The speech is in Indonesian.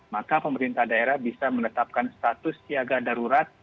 maka pemerintah daerah bisa menetapkan status siaga darurat